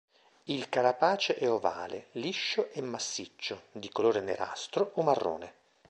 Il carapace è ovale, liscio e massiccio di colore nerastro o marrone.